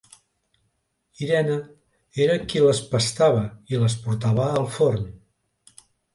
Irene era qui les pastava i les portava al forn.